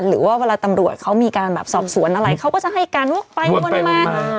หรือว่าเวลาตำรวจเขามีการแบบสอบสวนอะไรเขาก็จะให้การวกไปวนมา